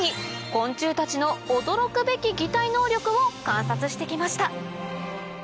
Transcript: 昆虫たちの驚くべき擬態能力を観察してきました